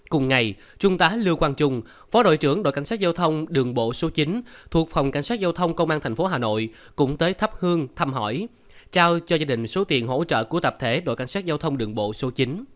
cùng ngày trung tá lưu quang trung phó đội trưởng đội cảnh sát giao thông đường bộ số chín thuộc phòng cảnh sát giao thông công an tp hà nội cũng tới thắp hương thăm hỏi trao cho gia đình số tiền hỗ trợ của tập thể đội cảnh sát giao thông đường bộ số chín